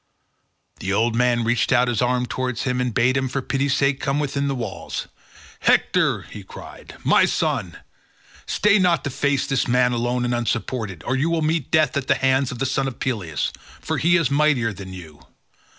The old man reached out his arms towards him and bade him for pity's sake come within the walls. "Hector," he cried, "my son, stay not to face this man alone and unsupported, or you will meet death at the hands of the son of Peleus, for he is mightier than you.